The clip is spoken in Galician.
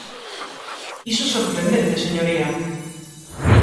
¡Iso é sorprendente, señoría!